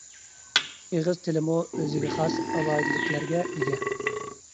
ئېغىز تىلمۇ ئۆزىگە خاس ئالاھىدىلىكلەرگە ئىگە.